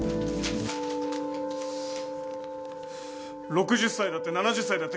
６０歳だって７０歳だって構わない。